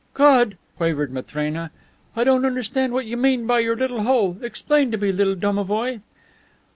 "God!" quavered Matrena. "I don't understand what you mean by your little hole. Explain to me, little domovoi."